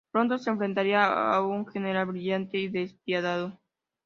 Pronto se enfrentarían a un general brillante y despiadado.